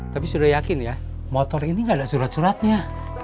tapi sudah yakin ya motor ini gak ada surat suratnya